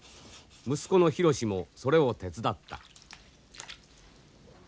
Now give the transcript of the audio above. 息子の博もそれを手伝った。